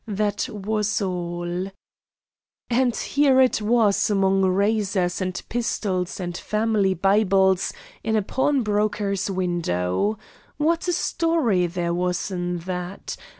That was all. And here it was among razors and pistols and family Bibles in a pawnbroker's window. What a story there was in that!